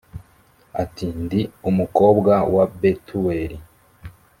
ati ndi umukobwa wa betuweli